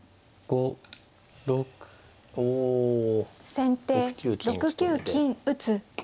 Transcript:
先手６九金打。